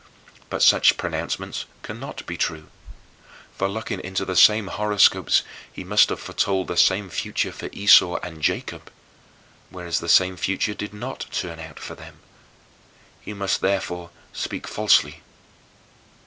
But such pronouncements cannot be true. For looking into the same horoscopes, he must have foretold the same future for Esau and Jacob, whereas the same future did not turn out for them. He must therefore speak falsely.